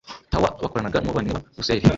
Tower bakoranaga n umuvandimwe wa russell